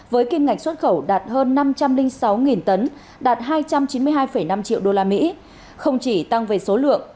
với kim ngạch xuất khẩu đạt hơn năm trăm linh sáu tấn đạt hai trăm chín mươi hai năm triệu đô la mỹ không chỉ tăng về số lượng